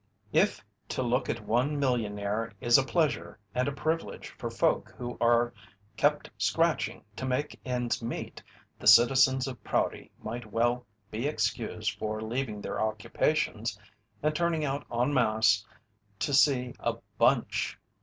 If to look at one millionaire is a pleasure and a privilege for folk who are kept scratching to make ends meet, the citizens of Prouty might well be excused for leaving their occupations and turning out en masse to see a "bunch."